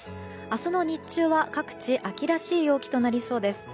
明日の日中は各地秋らしい陽気となりそうです。